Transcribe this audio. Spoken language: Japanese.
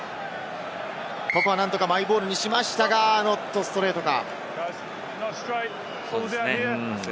ここはなんとかマイボールにしましたが、ノットストレートか？